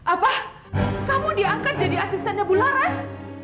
apa kamu diangkat jadi asistennya bu laras